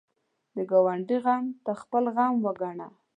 د ګاونډي غم ته خپل غم وګڼه